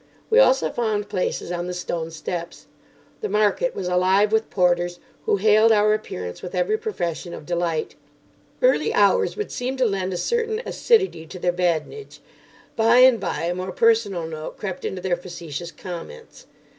We also found places on the stone steps. The market was alive with porters, who hailed our appearance with every profession of delight. Early hours would seem to lend a certain acidity to their badinage. By and by a more personal note crept into their facetious comments.